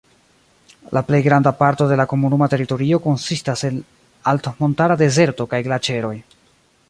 La plej granda parto de la komunuma teritorio konsistas el altmontara dezerto kaj glaĉeroj.